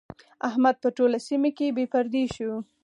احمد په ټوله سيمه کې بې پردې شو.